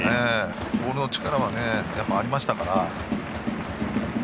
ボールの力はありましたから。